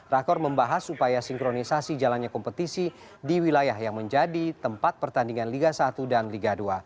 rakor membahas upaya sinkronisasi jalannya kompetisi di wilayah yang menjadi tempat pertandingan liga satu dan liga dua